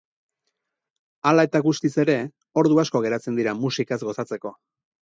Hala eta guztiz ere, ordu asko geratzen dira musikaz gozatzeko.